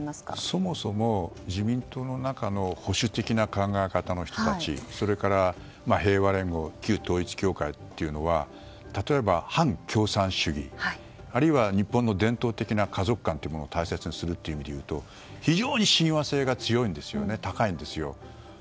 そもそも自民党の中の保守的な考え方の人たちそれから平和連合旧統一教会というのは例えば反共産主義あるいは日本の伝統的な家族観を大切にするという意味で言うと非常に親和性が強いんですよね高いんですよ。